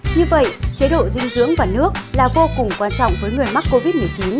như vậy chế độ dinh dưỡng và nước là vô cùng quan trọng với người mắc covid một mươi chín